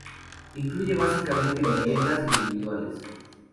Incluye básicamente viviendas individuales.